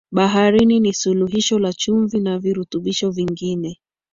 baharini ni suluhisho la chumvi na virutubisho vingine